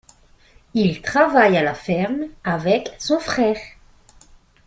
Il travaille à la ferme avec son frère.